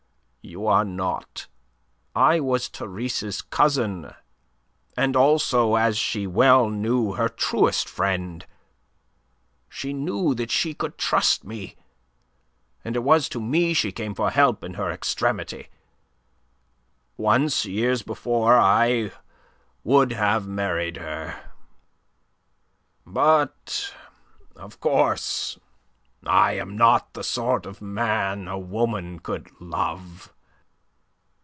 "You are not. I was Therese's cousin and also, as she well knew, her truest friend. She knew that she could trust me; and it was to me she came for help in her extremity. Once, years before, I would have married her. But, of course, I am not the sort of man a woman could love.